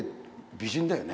美人だよね。